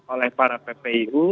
oleh para ppu